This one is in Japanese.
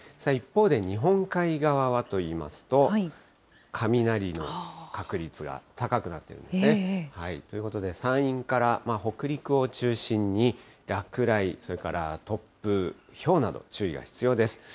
一方で日本海側はといいますと、雷の確率が高くなっていますね。ということで、山陰から北陸を中心に落雷、それから突風、ひょうなどに注意が必要です。